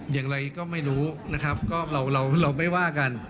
อย่างไรก็ไม่รู้นะครับก็เราไม่ว่ากัน